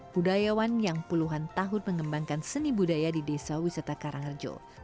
budayawan yang puluhan tahun mengembangkan seni budaya di desa wisata karangrejo